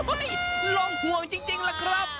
โอ้โหลงห่วงจริงล่ะครับ